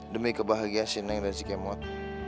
demi kebahagiaan si neng dan si kemot